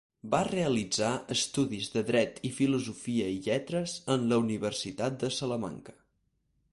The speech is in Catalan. Va realitzar estudis de Dret i Filosofia i Lletres en la Universitat de Salamanca.